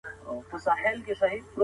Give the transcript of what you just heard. پنځه منفي دوه؛ درې پاته کېږي.